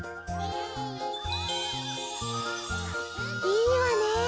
いいわね。